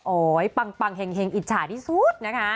โอ๊ยปังเห็งอิจฉาที่สุดนะคะ